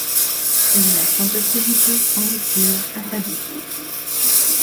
Il meurt, sans postérité, en exil à Padoue.